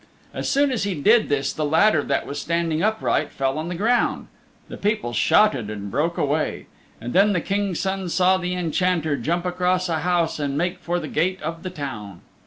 As soon as he did this the ladder that was standing upright fell on the ground. The people shouted and broke away. And then the King's Son saw the Enchanter jump across a house and make for the gate of the town.